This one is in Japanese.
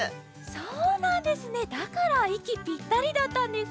そうなんですねだからいきピッタリだったんですね。